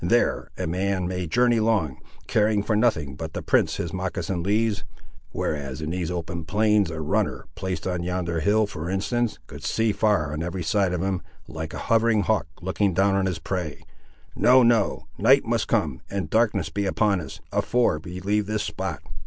There a man may journey long, caring for nothing but the prints his moccasin leaves, whereas in these open plains a runner, placed on yonder hill, for instance, could see far on every side of him, like a hovering hawk looking down on his prey. No, no; night must come, and darkness be upon us, afore we leave this spot.